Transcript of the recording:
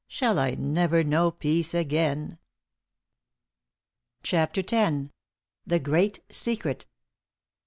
"Shall I ever know peace again?" CHAPTER X. THE GREAT SECRET.